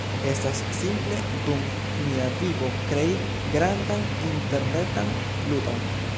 estas simple dum mia vivo krei grandan interretan ludon